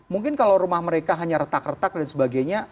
mungkin kalau rumah mereka hanya retak retak dan sebagainya